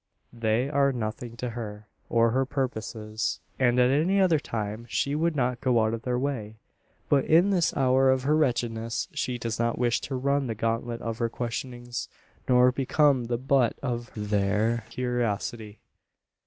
They are nothing to her, or her purposes; and, at any other time, she would not go out of their way. But in this hour of her wretchedness, she does not wish to run the gauntlet of their questionings, nor become the butt of their curiosity.